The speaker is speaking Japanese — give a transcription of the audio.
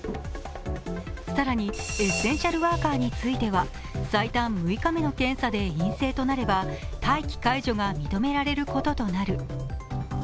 更にエッセンシャルワーカーについては最短６日目の検査で陰性となれば待機解除が認められることとなる。